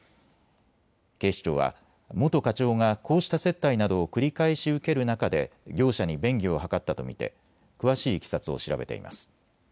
警視庁は元課長がこうした接待などを繰り返し受ける中で業者に便宜を図ったと見て詳しいいきさつを調べています。